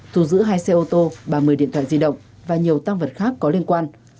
thu giữ hai xe ô tô ba mươi điện thoại di động và nhiều tăng vật khác có liên quan